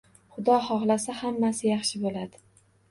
Xudo xohlasa, hammasi yaxshi bo‘ladi.